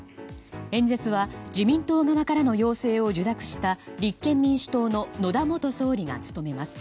演説は自民党側からの要請を受諾した立憲民主党の野田元総理が務めます。